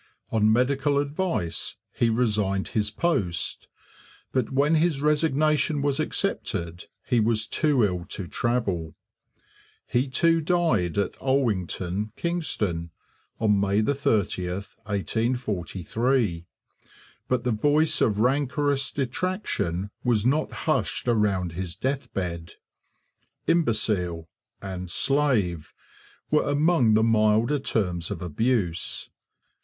On medical advice he resigned his post, but when his resignation was accepted he was too ill to travel. He too died at 'Alwington,' Kingston, on May 30, 1843; but the voice of rancorous detraction was not hushed around his death bed. 'Imbecile' and 'slave' were among the milder terms of abuse.